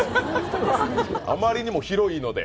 あまりにも広いので。